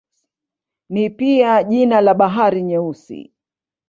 Ni pia jina la Bahari Nyeusi.